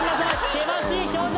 険しい表情